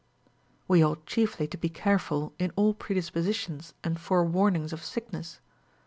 11. We ought chiefly to be careful in all predispositions and forewarnings of sickness.